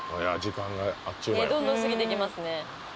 間やねっどんどん過ぎていきますね